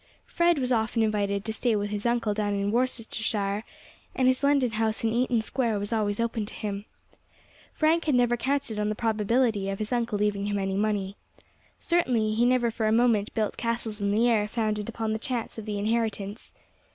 Fred was often invited to stay with his uncle down in Worcestershire, and his London house in Eaton Square was always open to him. Frank had never counted on the probability of his uncle leaving him any money. Certainly he never for a moment built castles in the air founded upon the chance of the inheritance.